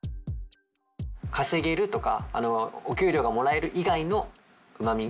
稼げるとかお給料がもらえる以外のうまみ。